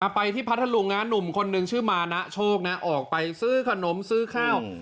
ไปที่พัทธลุงหนุ่มคนนึงชื่อมานะโชคนะออกไปซื้อขนมซื้อข้าว